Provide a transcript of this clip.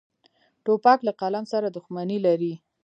توپک له قلم سره دښمني لري.